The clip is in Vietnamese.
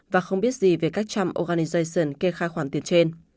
và không biết gì về các trump organization kê khai khoản tiền trên